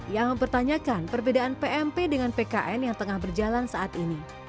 yang mempertanyakan perbedaan pmp dengan pkn yang tengah berjalan saat ini